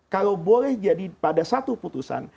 kalau boleh jadi pada satu putusan